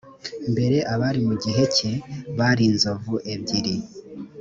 mbere abari mu gihe cye bari inzovu ebyiri